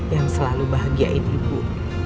yang selalu bahagiain ibu